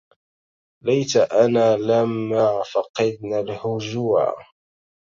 ليت أنا لما فقدنا الهجوعا